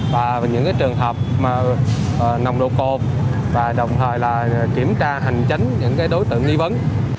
và những trường hợp nồng độ cột và đồng thời là kiểm tra hành chánh những đối tượng nghi vấn